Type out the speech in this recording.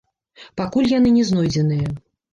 Пакуль яны не знойдзеныя.